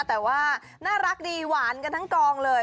แต่ว่าน่ารักดีหวานกันทั้งกองเลย